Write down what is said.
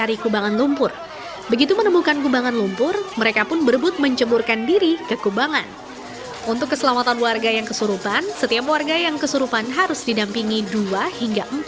ini kembar nih